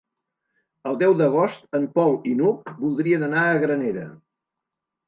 El deu d'agost en Pol i n'Hug voldrien anar a Granera.